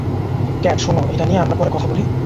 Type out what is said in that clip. Cat, শোনো, এটা নিয়ে আমরা পরে কথা বলি?